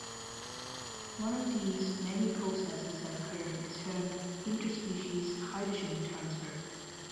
One of these many processes that occur is termed "interspecies hydrogen transfer".